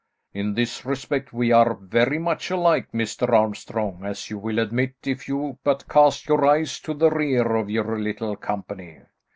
"In this respect we are very much alike, Mr. Armstrong, as you will admit if you but cast your eyes to the rear of your little company."